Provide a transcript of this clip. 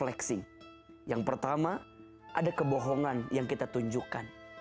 tentang kurangnya zuckerberg berkata